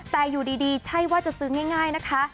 แต่อยู่ดีใช่ว่าจะซื้อง่ายนะคะ